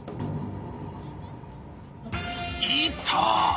いた！